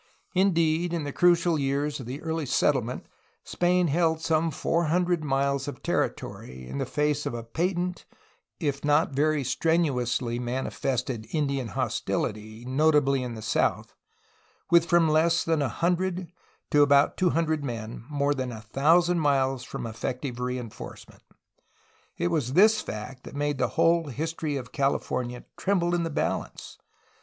Indeed, in the crucial years of the early settlement Spain held some four hundred miles of territory, in the face of a patent if not very strenuously manifested Indian hostiUty (notably in the south), with from less than a hundred to about two hundred men, more than a thousand miles from effective reinforcement. It was this fact that made the whole history of California tremble in the balance.